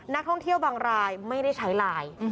นักท่องเที่ยวบางรายไม่ได้ใช้ไลน์